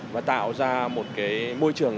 và tạo ra một môi trường